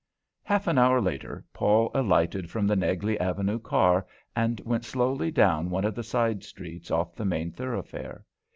Half an hour later, Paul alighted from the Negley Avenue car and went slowly down one of the side streets off the main thoroughfare.